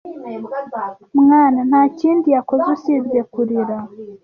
mwana nta kindi yakoze usibye kurira.